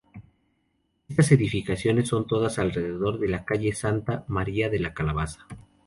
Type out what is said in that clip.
Estas edificaciones son todas alrededor de la calle Santa María de la Cabeza.